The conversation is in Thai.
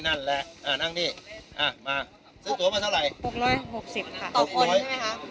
นั่นแหละอ่านั่งนี่มาซื้อตัวมาเท่าไหร่บุกเลย๖๐นะคะต่อคนใช่ไหมคะ